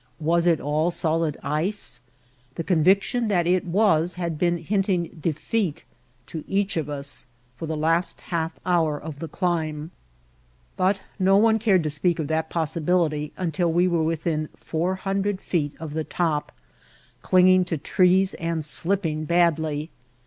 Was it all solid icei^ The conviction that it was had been hinting defeat to each of us for the last half hour of the climb, but no one cared to speak of that possi bility until we were within four hundred feet White Heart of Mojave of the top, clinging to trees and slipping badly.